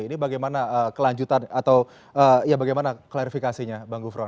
ini bagaimana kelanjutan atau ya bagaimana klarifikasinya bang gufron